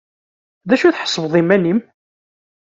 D acu i tḥesbeḍ iman-im?